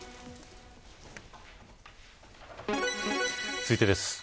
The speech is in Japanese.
続いてです。